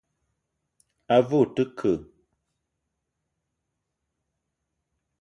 A ve o te ke ?